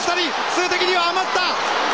数的には余った！